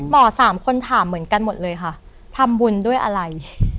สามคนถามเหมือนกันหมดเลยค่ะทำบุญด้วยอะไร